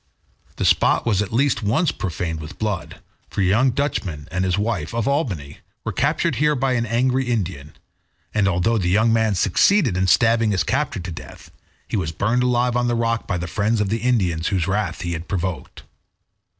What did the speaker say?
The spot was at least once profaned with blood, for a young Dutchman and his wife, of Albany, were captured here by an angry Indian, and although the young man succeeded in stabbing his captor to death, he was burned alive on the rock by the friends of the Indian whose wrath he had provoked.